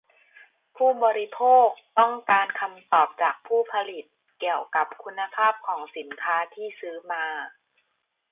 ผู้บริโภคต้องการคำตอบจากผู้ผลิตเกี่ยวกับคุณภาพของสินค้าที่ซื้อมา